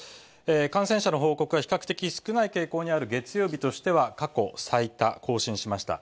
感染者の報告が比較的少ない傾向にある月曜日としては、過去最多、更新しました。